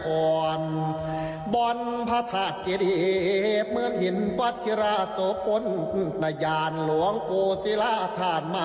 โอ้โหพูดตัวอะไร